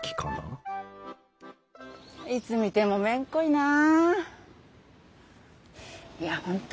いつ見てもめんこいなあ。